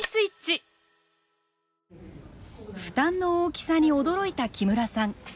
負担の大きさに驚いた木村さん。